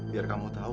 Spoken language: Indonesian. biar kamu tahu